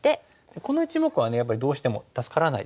この１目はやっぱりどうしても助からないですよね。